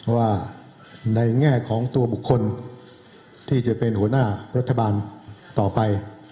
ว่าในแง่ของตัวบุคคลที่จะเป็นหัวหน้ารัฐบาลต่อไป